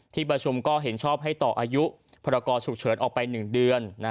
ที่ประชุมก็เห็นชอบให้ต่ออายุพรกรฉุกเฉินออกไป๑เดือน